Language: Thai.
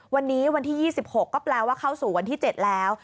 วันนี้วันที่๒๖ก็แปลว่าเข้าสู่วันที่๗แล้ว